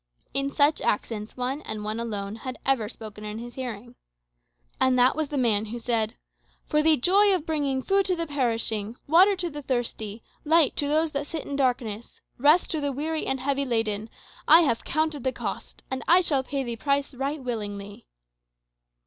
In such accents one, and one alone, had ever spoken in his hearing. And that was the man who said, "For the joy of bringing food to the perishing, water to the thirsty, light to those that sit in darkness, rest to the weary and heavy laden, I have counted the cost, and I shall pay the price right willingly."